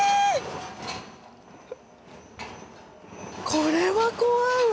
これは怖いわ。